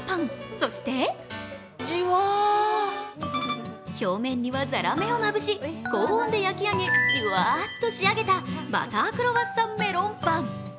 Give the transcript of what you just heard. そして、表面にはざらめをまぶし高温で焼き上げ、じわぁっと仕上げたバタークロワッサンメロンパン。